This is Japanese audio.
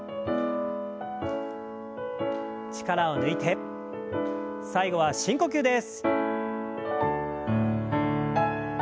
力を抜いて最後は深呼吸です。